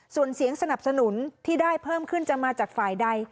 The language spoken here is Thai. ส่วนเสียงสนับสนุนที่ได้เพิ่มขึ้นจะมาจากฝ่ายใด